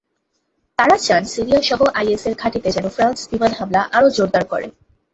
তারা চান সিরিয়াসহ আইএসের ঘাঁটিতে যেন ফ্রান্স বিমান হামলা আরও জোরদার করে।